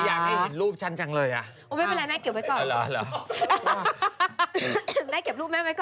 อยากให้เห็นรูปฉันจังเลยอ่ะโอ้ไม่เป็นไรแม่เก็บไว้ก่อนแม่เก็บรูปแม่ไว้ก่อน